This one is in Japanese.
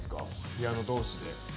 ピアノ同士で。